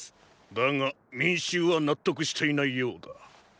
だが民衆は納得していないようだ。